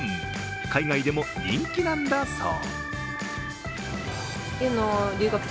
海外でも人気なんだそう。